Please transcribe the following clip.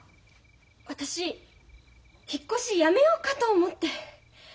私引っ越しやめようかと思って。